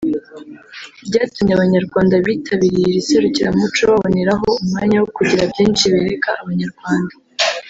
Byatumye abanyarwanda bitabiriye iri serukiramuco baboneraho umwanya wo kugira byinshi bereka abanyarwanda